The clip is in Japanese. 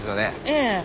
ええ。